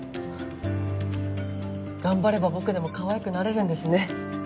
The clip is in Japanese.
頑張れば僕でもかわいくなれるんですね！